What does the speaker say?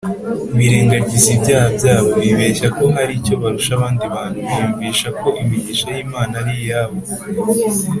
birengagiza ibyaha byabo. Bibeshya ko hari icyo barusha abandi bantu, biyumvisha ko imigisha y’Imana ari iyabo